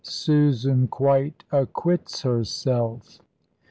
SUSAN QUITE ACQUITS HERSELF.